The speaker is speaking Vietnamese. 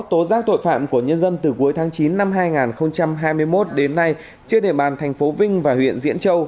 tố giác tội phạm của nhân dân từ cuối tháng chín năm hai nghìn hai mươi một đến nay trên đề bàn tp vinh và huyện diễn châu